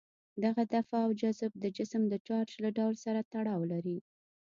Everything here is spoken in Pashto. دغه دفع او جذب د جسم د چارج له ډول سره تړاو لري.